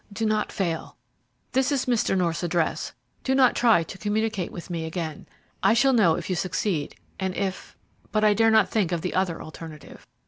Do not fail. This is Mr. North's address. Do not try to communicate with me again. I shall know if you succeed, and if but I dare not think of the other alternative."